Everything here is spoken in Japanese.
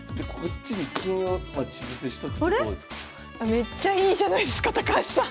めっちゃいいじゃないですか高橋さん！